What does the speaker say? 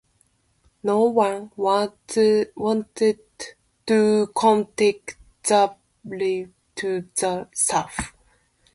No one wanted to commit themselves to the staff.